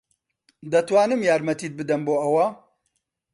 دەتوانم یارمەتیت بدەم بۆ ئەوە؟